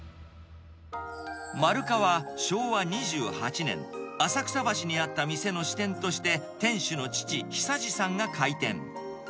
満留賀は昭和２８年、浅草橋にあった店の支点として、店主の父、久治さんが開店。